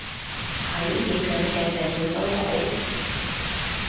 喺點樣嘅社會都好